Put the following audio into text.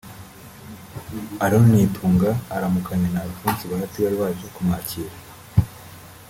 Aaron Nitunga aramukanya na Alphonse Bahati wari waje kumwakira